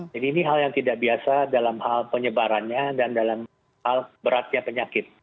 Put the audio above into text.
jadi ini hal yang tidak biasa dalam hal penyebarannya dan dalam hal beratnya penyakit